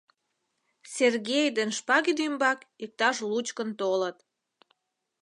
Сергей ден Шпагин ӱмбак иктаж лучкын толыт.